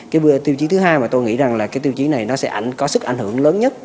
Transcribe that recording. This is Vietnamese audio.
cái tiêu chí thứ hai mà tôi nghĩ rằng là cái tiêu chí này nó sẽ có sức ảnh hưởng lớn nhất